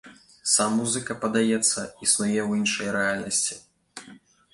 Сам музыка, падаецца, існуе ў іншай рэальнасці.